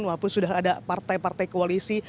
walaupun sudah ada partai partai koalisi